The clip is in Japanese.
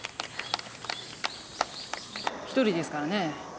１人ですからね。